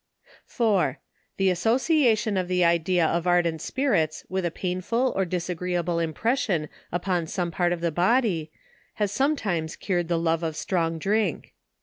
4> The association of the idea of ardent spirits, with a painful or disagreeable impression upon some part of the body, has sometimes cured the love of strong drink.